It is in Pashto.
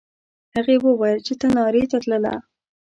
هغې وویل چې تنارې ته تلله.